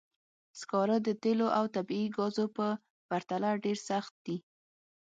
سکاره د تېلو او طبیعي ګازو په پرتله ډېر سخت دي.